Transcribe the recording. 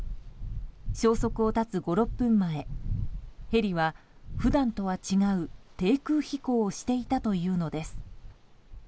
消息を絶つ５６分前ヘリは、普段とは違う低空飛行をしていたというのです。